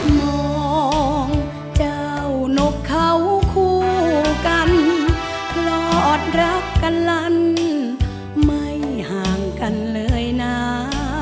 มองเจ้านกเขาคู่กันหลอดรักกันลั่นไม่ห่างกันเลยนะ